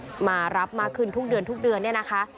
และจากการที่มีผู้ป่วยที่มารับมาขึ้นทุกเดือนทุกเดือนเนี่ยนะคะ